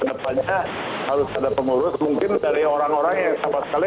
kedepannya harus ada pengurus mungkin dari orang orang yang sama sekali